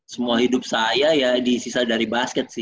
semua hidup saya ya disisa dari basket sih